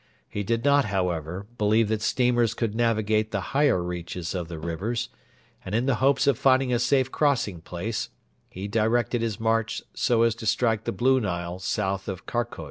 He did not, however, believe that steamers could navigate the higher reaches of the rivers, and in the hopes of finding a safe crossing place he directed his march so as to strike the Blue Nile south of Karkoj.